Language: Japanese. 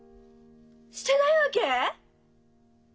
してないわけ？